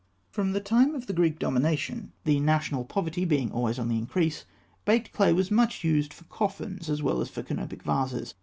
From the time of the Greek domination, the national poverty being always on the increase, baked clay was much used for coffins as well as for canopic vases.